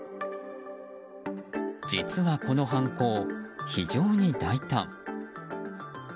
実はこの犯行、非常に大胆。